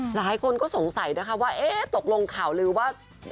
หลายคนก็สงสัยนะคะว่าเอ๊ะตกลงข่าวลือว่า